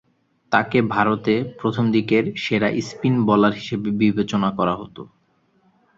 তাকে ভারতে প্রথমদিকের সেরা স্পিন বোলার হিসেবে বিবেচনা করা হতো।